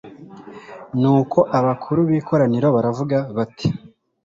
nuko abakuru b'ikoraniro baravuga bati